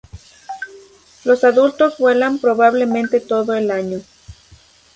Los adultos vuelan probablemente todo el año.